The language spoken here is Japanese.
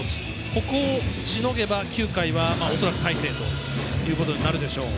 ここをしのげば９回は恐らく大勢ということになるでしょう。